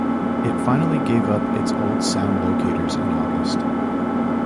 It finally gave up its old sound locators in August.